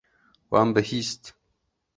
Wan bihîst.